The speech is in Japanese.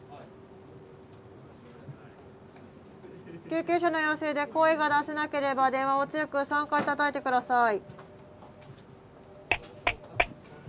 救急車の要請で声が出せなければ電話を強く３回たたいて下さい。